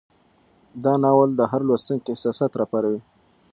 دا ناول د هر لوستونکي احساسات راپاروي.